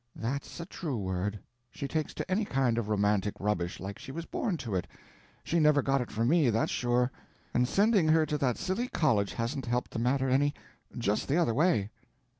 "That's a true word. She takes to any kind of romantic rubbish like she was born to it. She never got it from me, that's sure. And sending her to that silly college hasn't helped the matter any—just the other way."